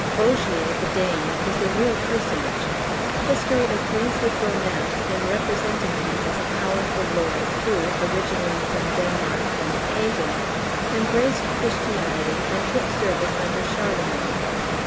Ogier, the Dane, is a real personage. History agrees with romance in representing him as a powerful lord who, originally from Denmark and a Pagan, embraced Christianity, and took service under Charlemagne.